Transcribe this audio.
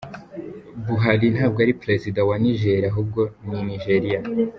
Buhari ntabwo ari president wa niger ahubwo ni nigeria.